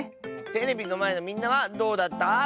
テレビのまえのみんなはどうだった？